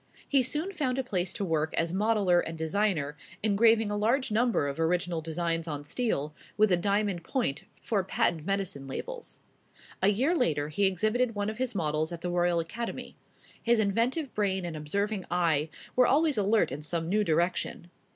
He soon found a place to work as modeller and designer, engraving a large number of original designs on steel, with a diamond point, for patent medicine labels. A year later he exhibited one of his models at the Royal Academy. His inventive brain and observing eye were always alert in some new direction.